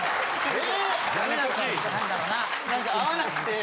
・え！